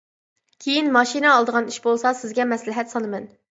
كىيىن ماشىنا ئالىدىغان ئىش بولسا سىزگە مەسلىھەت سالىمەن.